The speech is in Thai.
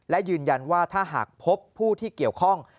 และยืนยันว่าถ้าหากพบผู้ที่เกี่ยวข้อง